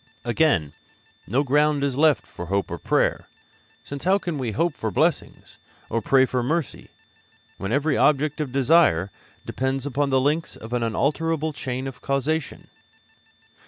Again, no ground is left for hope or prayer, since how can we hope for blessings, or pray for mercy, when every object of desire depends upon the links of an unalterable chain of causation?